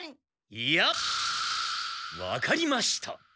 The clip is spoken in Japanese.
いやわかりました。